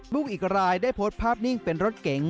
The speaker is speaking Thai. ลูกอีกรายได้โพสต์ภาพนิ่งเป็นรถเก๋ง